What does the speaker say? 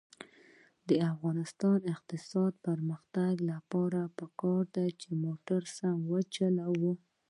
د افغانستان د اقتصادي پرمختګ لپاره پکار ده چې موټر سم وچلوو.